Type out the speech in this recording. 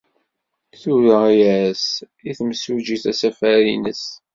Tura-as-d temsujjit asafar-nnes.